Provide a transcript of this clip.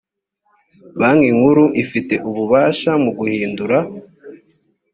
banki nkuru ifite ububasha mu guhindura